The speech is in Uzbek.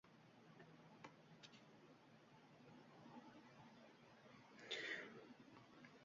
Ungancha, pusib kuzatishga mahkum edilar.